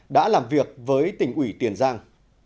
đã làm việc với tỉnh ủy tiền giang